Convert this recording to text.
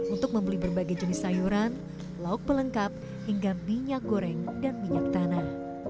untuk membeli berbagai jenis sayuran lauk pelengkap hingga minyak goreng dan minyak tanah